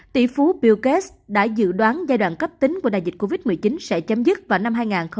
tỷ phú bill cast đã dự đoán giai đoạn cấp tính của đại dịch covid một mươi chín sẽ chấm dứt vào năm hai nghìn hai mươi